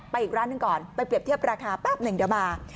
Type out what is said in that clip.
อีกร้านหนึ่งก่อนไปเรียบเทียบราคาแป๊บหนึ่งเดี๋ยวมา